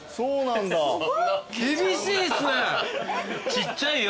ちっちゃいよ。